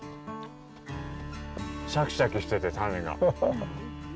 シャキシャキしてて種が。